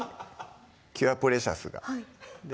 キュアプレシャスがで